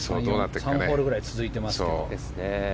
３ホールくらい続いてますからね。